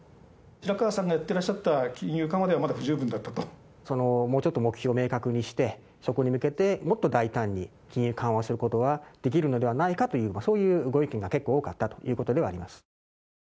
白川さんがやってらっしゃった金融緩和ではまだ不十分だったもうちょっと目標を明確にして、そこに向けて、もっと大胆に金融緩和することはできるのではないかという、そういうご意見が結構多かったということではあります。